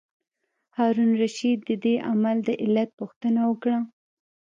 هارون الرشید د دې عمل د علت پوښتنه وکړه.